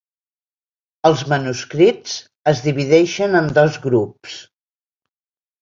Els manuscrits es divideixen en dos grups.